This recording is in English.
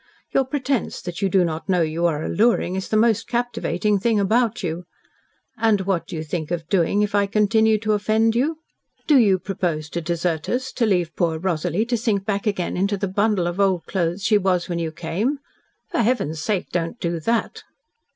Your pretence that you do not know you are alluring is the most captivating thing about you. And what do you think of doing if I continue to offend you? Do you propose to desert us to leave poor Rosalie to sink back again into the bundle of old clothes she was when you came? For Heaven's sake, don't do that!"